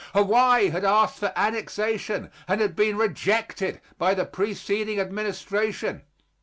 Hawaii had asked for annexation and had been rejected by the preceding administration.